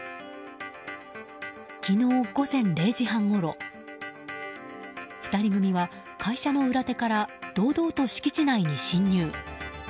昨日午前０時半ごろ２人組は、会社の裏手から堂々と敷地内に侵入。